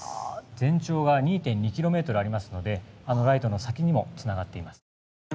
全長が２．２キロメートルありますので、あのライトの先にもつながっています。